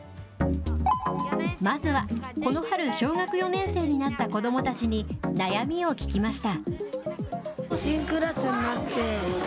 まずはこの春小学４年生になった子どもたちに悩みを聞きました。